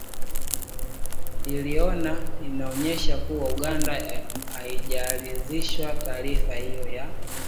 iliiona inaonyesha kuwa Uganda haijaridhishwa na taarifa hiyo ya